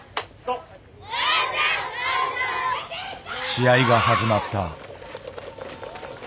試合が始まった。